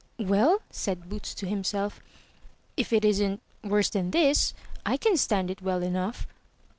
"Well," said Boots to himself, "if it isn't worse than this, I can stand it well enough."